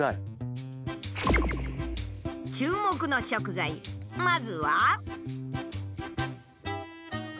注目の食材まずは。